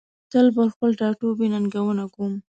تل په خپل ټاټوبي ننګه کوم